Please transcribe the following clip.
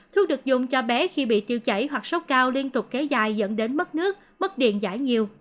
thuốc được dùng cho bé khi bị tiêu chảy hoặc sốc cao liên tục kéo dài dẫn đến mất nước mất điện giải nhiều